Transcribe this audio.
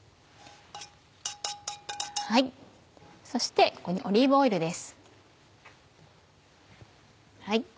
そしてここにオリーブオイルです。